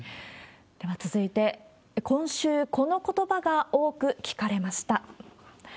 では続いて、今週、このことばが多く聞かれました。